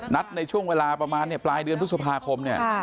นัดในช่วงเวลาประมาณเนี้ยปลายเดือนพฤษภาคมเนี้ยอ่า